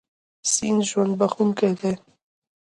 سیند ژوند بښونکی دی.